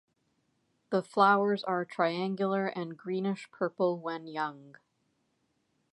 The flowers are triangular and greenish purple when young.